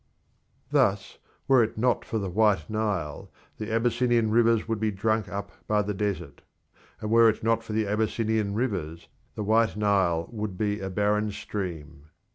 Thus, were it not for the White Nile, the Abyssinian rivers would be drunk up by the desert; and were it not for the Abyssinian rivers, the White Nile would be a barren stream.